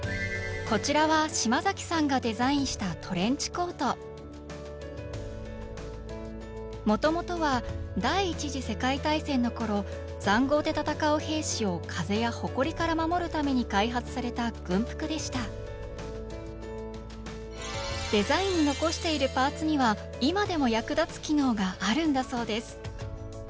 こちらはもともとは第１次世界大戦のころざんごうで戦う兵士を風やほこりから守るために開発された軍服でしたデザインに残しているパーツには今でも役立つ機能があるんだそうです。